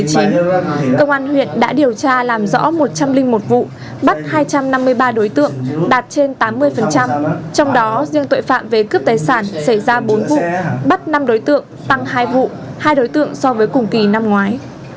công an huyện đã điều tra làm rõ một trăm linh một vụ bắt hai trăm năm mươi ba đối tượng đạt trên tám mươi trong đó riêng tội phạm về cướp tài sản xảy ra bốn vụ bắt năm đối tượng tăng hai vụ hai đối tượng so với cùng kỳ năm ngoái